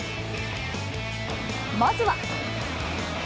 まずは。